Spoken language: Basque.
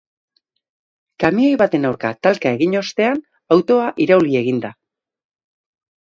Kamioi baten aurka talka egin ostean, autoa irauli egin da.